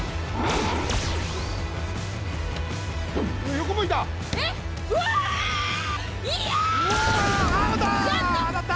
横向いた。